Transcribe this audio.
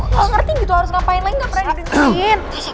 gue gak ngerti gitu harus ngapain lagi gak pernah dibensin